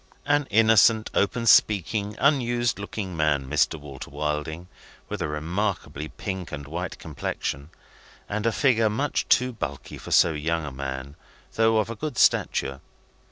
An innocent, open speaking, unused looking man, Mr. Walter Wilding, with a remarkably pink and white complexion, and a figure much too bulky for so young a man, though of a good stature.